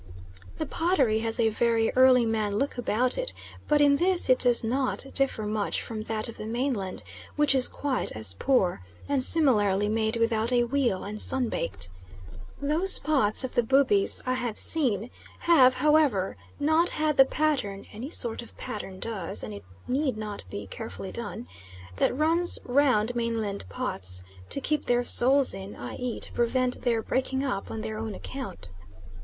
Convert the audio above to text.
The pottery has a very early man look about it, but in this it does not differ much from that of the mainland, which is quite as poor, and similarly made without a wheel, and sun baked. Those pots of the Bubis I have seen have, however, not had the pattern (any sort of pattern does, and it need not be carefully done) that runs round mainland pots to "keep their souls in" i.e. to prevent their breaking up on their own account.